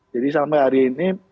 jadi sampai hari ini